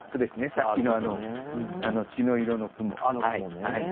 さっきの「血の色」の句も。